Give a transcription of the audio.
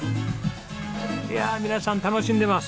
いや皆さん楽しんでます。